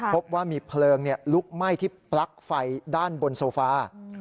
พบว่ามีเพลิงลุกไหม้ที่ปลั๊กไฟด้านบนโซฟา